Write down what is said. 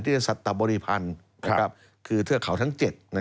สัตบริพันธ์คือเทือกเขาทั้ง๗